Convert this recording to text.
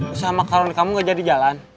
usaha makaroni kamu gak jadi jalan